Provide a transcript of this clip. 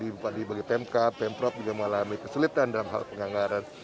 bagi bupati bagi temkap temprop juga mengalami kesulitan dalam hal penganggaran